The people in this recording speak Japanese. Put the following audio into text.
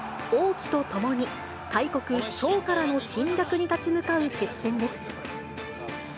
演じる大将軍、王騎と共に大国、趙からの侵略に立ち向かう決戦です。